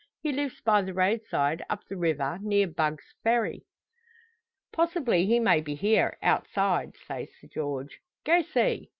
"He lives by the roadside, up the river, near Bugg's Ferry." "Possibly he may be here, outside," says Sir George. "Go see!"